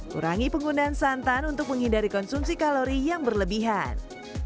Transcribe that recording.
kurangi penggunaan santan untuk menghindari konsumsi kalori yang berlebihan